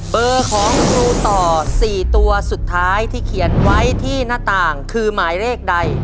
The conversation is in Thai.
เบอร์ของครูต่อ๔ตัวสุดท้ายที่เขียนไว้ที่หน้าต่างคือหมายเลขใด